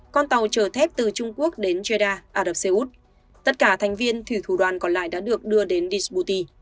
con tàu chở thép từ trung quốc đến jeddah ả đập xê út tất cả thành viên thủy thủ đoàn còn lại đã được đưa đến disputi